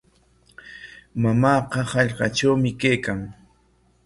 Mamaaqa hallqatrawmi kaykan.